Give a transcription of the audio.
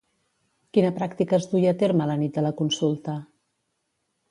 Quina pràctica es duia a terme la nit de la consulta?